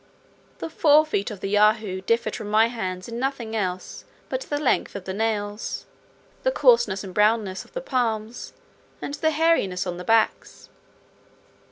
The forefeet of the Yahoo differed from my hands in nothing else but the length of the nails, the coarseness and brownness of the palms, and the hairiness on the backs.